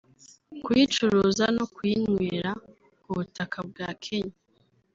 kuyicuruza no kuyinywera ku butaka bwa Kenya